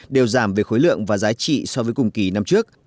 đều giảm về khối lượng và giá trị so với cùng kỳ năm trước